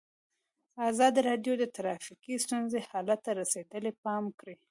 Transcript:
ازادي راډیو د ټرافیکي ستونزې حالت ته رسېدلي پام کړی.